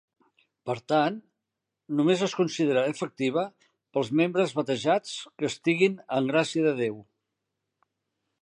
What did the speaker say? Per tant, només es considera efectiva pels membres batejats que estiguin en gràcia de Déu.